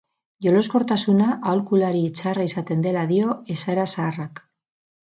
Jeloskortasuna aholkulari txarra izaten dela dio esaera zaharrak.